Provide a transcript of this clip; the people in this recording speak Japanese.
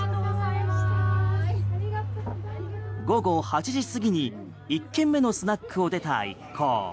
午後８時過ぎに１軒目のスナックを出た一行。